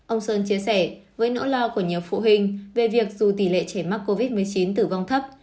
ông sơn chia sẻ với nỗi lo của nhiều phụ huynh về việc dù tỷ lệ trẻ mắc covid một mươi chín tử vong thấp